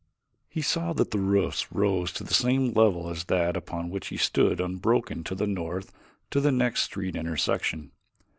He saw that the roofs rose to the same level as that upon which he stood unbroken to the north to the next street intersection.